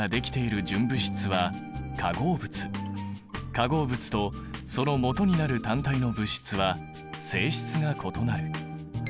化合物とそのもとになる単体の物質は性質が異なる。